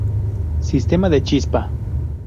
Sistema de Chispa.